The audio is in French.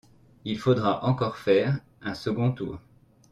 Il faudra encore faire un second tour.